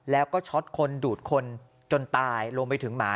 แล้วก็ช็อตคนดูดคนจนตายรวมไปถึงหมา